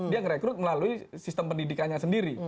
dia ngerekrut melalui sistem pendidikannya sendiri